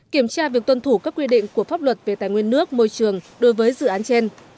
kiểm tra việc tuân thủ các quy định của pháp luật về tài nguyên nước môi trường đối với dự án trên